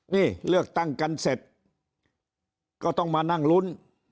นี่เลือกตั้งกันเสร็จก็ต้องมานั่งลุ้น